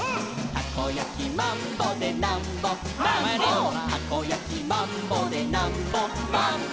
「たこやきマンボでなんぼチューチュー」「たこやきマンボでなんぼマンボ」